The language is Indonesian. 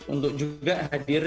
untuk juga hadir